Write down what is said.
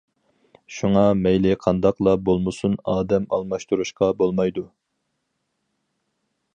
شۇڭا مەيلى قانداقلا بولمىسۇن، ئادەم ئالماشتۇرۇشقا بولمايدۇ.